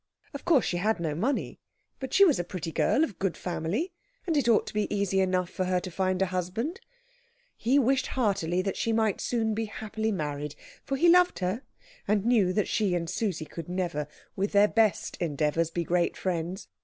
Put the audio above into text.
Of course she had no money, but she was a pretty girl of good family, and it ought to be easy enough for her to find a husband. He wished heartily that she might soon be happily married; for he loved her, and knew that she and Susie could never, with their best endeavours, be great friends.